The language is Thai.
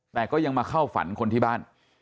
แต่ก็ยังมาเข้าฝันคนที่บ้าน